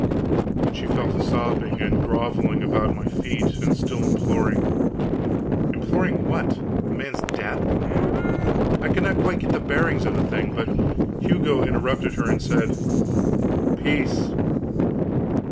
And she fell to sobbing and grovelling about my feet, and still imploring. Imploring what? The man's death? I could not quite get the bearings of the thing. But Hugo interrupted her and said: "Peace!